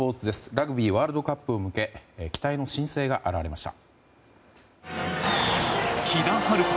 ラグビーワールドカップに向け期待の新星が現れました。